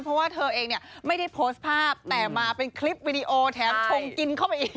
เพราะว่าเธอเองเนี่ยไม่ได้โพสต์ภาพแต่มาเป็นคลิปวิดีโอแถมชงกินเข้าไปอีก